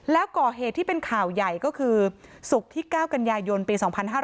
แล้วก่อเหตุที่เป็นข่าวใหญ่ก็คือศุกร์ที่๙กันยายนปี๒๕๕๙